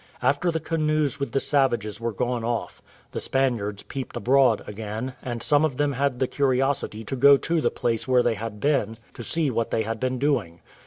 After the canoes with the savages were gone off, the Spaniards peeped abroad again; and some of them had the curiosity to go to the place where they had been, to see what they had been doing.